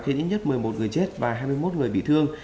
khiến ít nhất một mươi một người chết và hai mươi một người bị thương